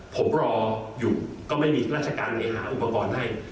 ผมรออยู่ก็ไม่มีราชการไปหาอุปกรณ์ให้